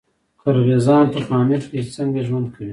قرغیزان په پامیر کې څنګه ژوند کوي؟